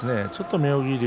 妙義龍